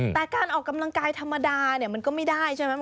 แต่การออกกำลังกายธรรมดาเนี่ยมันก็ไม่ได้ใช่ไหม